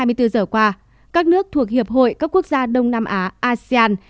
thì trong hai mươi bốn giờ qua các nước thuộc hiệp hội các quốc gia đông nam á asean